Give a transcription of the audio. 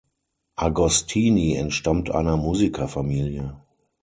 Agostini entstammt einer Musikerfamilie.